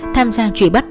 tham gia trụi bắt